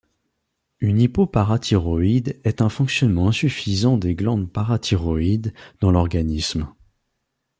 Une hypoparathyroïdie est un fonctionnement insuffisant des glandes parathyroïdes dans l'organisme.